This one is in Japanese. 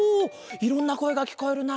いろんなこえがきこえるな。